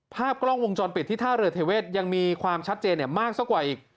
ภาพกล้องวงจรปิดที่ท่าเรือเทเวศยังมีความชัดเจนมากสักกว่าอีก